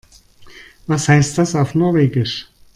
Was heißt das auf Norwegisch?